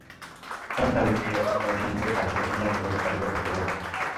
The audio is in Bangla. তাঁর দাবি, নির্বাচন কমিশন থেকে তাঁকে পছন্দমতো ভোটার তালিকা করতে বলা হয়েছে।